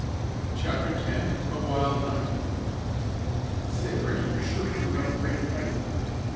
CHAPTER X A WILD NIGHT "Say, Ricky is sure putting up a great fight!"